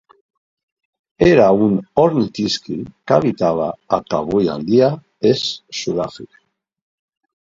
Era un ornitisqui que habitava al que avui en dia és Sud-àfrica.